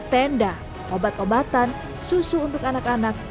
tenda obat obatan susu untuk anak anak